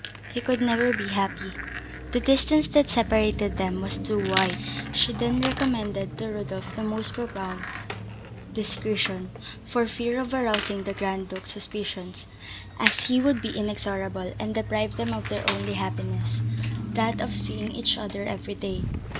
He could never be happy; the distance that separated them was too wide! She then recommended to Rodolph the most profound discretion, for fear of arousing the Grand Duke's suspicions, as he would be inexorable, and deprive them of their only happiness, that of seeing each other every day.